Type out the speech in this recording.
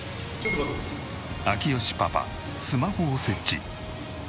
明慶パパスマホを設置。